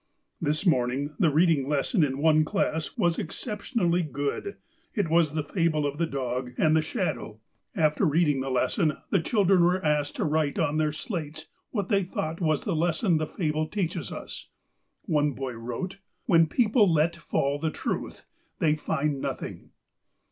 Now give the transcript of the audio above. " This morning the reading lesson in one class was ex ceptionally good ; it was the fable of the dog and the shadow A DAY AT METLAKAHTLA 307 After reading the lesson, the children were asked to write on their slates what they thought was the lesson the fable teaches us. One boy wrote, ' When people let fall the truth they find nothing.'